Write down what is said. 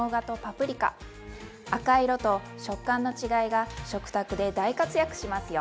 赤い色と食感の違いが食卓で大活躍しますよ。